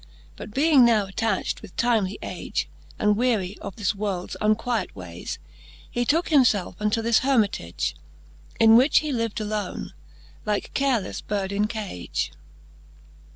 But being now attacht with timely age, And weary of this worlds unquiet waies, He tooke him felfe unto this Hermitage, In which he liv'd alone, like carelefTe bird in cage.